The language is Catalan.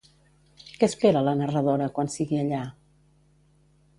Què espera la narradora quan sigui allà?